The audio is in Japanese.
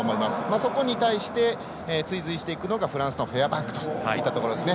そこに対して、追随していくのがフランスのフェアバンクといったところでしょう。